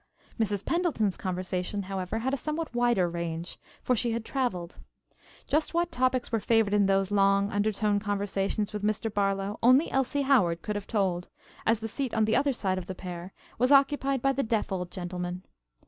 Mrs. Pendleton's conversation, however, had a somewhat wider range, for she had traveled. Just what topics were favored in those long undertone conversations with Mr. Barlow only Elsie Howard could have told, as the seat on the other side of the pair was occupied by the deaf old gentleman.